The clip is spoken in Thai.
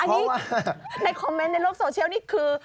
อันนี้ในคอมเมนต์ในโลกโซเชียลนี่คือ